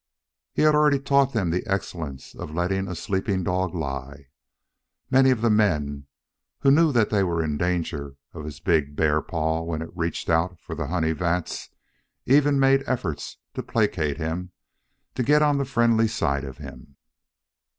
He had already taught them the excellence of letting a sleeping dog lie. Many of the men, who knew that they were in danger of his big bear paw when it reached out for the honey vats, even made efforts to placate him, to get on the friendly side of him.